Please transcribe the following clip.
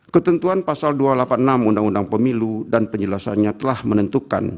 ketentuan pasal dua ratus delapan puluh enam undang undang pemilu dan penjelasannya telah menentukan